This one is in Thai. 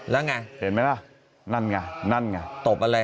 แล้วนะนั่นไงตบอะไร